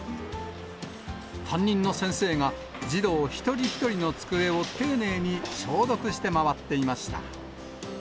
担任の先生が、児童一人一人の机を丁寧に消毒して回っていました。